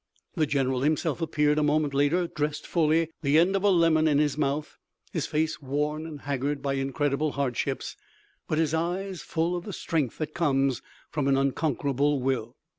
The general himself appeared a moment later, dressed fully, the end of a lemon in his mouth, his face worn and haggard by incredible hardships, but his eyes full of the strength that comes from an unconquerable will.